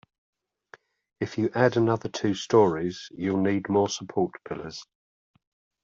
If you add another two storeys, you'll need more support pillars.